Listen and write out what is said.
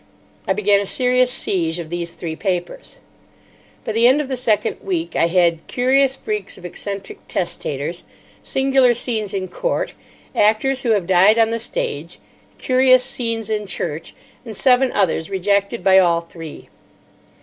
I began a serious siege of these three papers. By the end of the second week I had had "Curious Freaks of Eccentric Testators," "Singular Scenes in Court," "Actors Who Have Died on the Stage," "Curious Scenes in Church," and seven others rejected by all three.